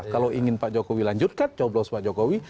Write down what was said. kalau ingin pak jokowi lanjutkan coblos pak jokowi